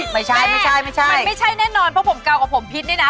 ไม่ใช่ไม่ใช่มันไม่ใช่แน่นอนเพราะผมเก่ากับผมพิษนี่นะ